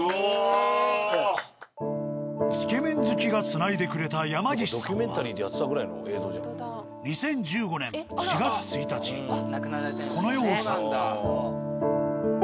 つけ麺好きがつないでくれた山岸さんは２０１５年４月１日この世を去った。